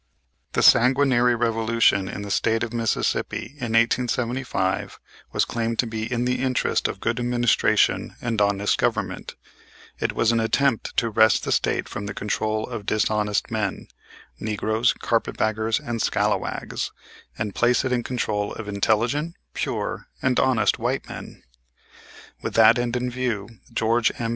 The sanguinary revolution in the State of Mississippi in 1875 was claimed to be in the interest of good administration and honest government; it was an attempt to wrest the State from the control of dishonest men, negroes, carpet baggers, and scalawags, and place it in control of intelligent, pure, and honest white men. With that end in view, Geo. M.